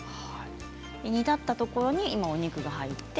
煮立ったところに今お肉が入って。